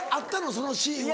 そのシーンは。